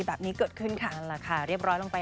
ไม่รู้สึกท้อเลยค่ะ